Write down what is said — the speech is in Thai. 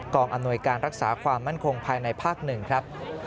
กล่องอำนวยการรักษาความมั่นคงภายในภาคหนึ่งครับ